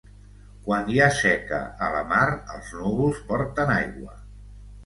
Quan hi ha seca a la mar els núvols porten aigua.